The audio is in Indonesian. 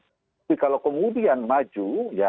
tapi kalau kemudian maju